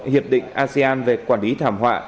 hiệp định asean về quản lý thảm họa